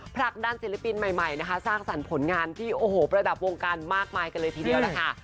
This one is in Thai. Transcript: ผลักดันศิลปินใหม่นะคะสร้างสรรค์ผลงานที่โอ้โหประดับวงการมากมายกันเลยทีเดียวล่ะค่ะ